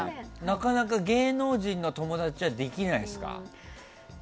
なかなか芸能人の友達はできないですか？